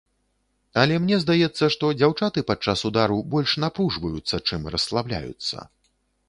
Але мне здаецца, што дзяўчаты падчас удару больш напружваюцца, чым расслабляюцца.